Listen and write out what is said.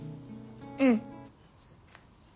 うん。